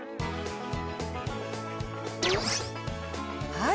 はい。